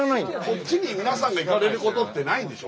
こっちに皆さんが行かれることってないんでしょ？